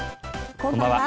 こんばんは。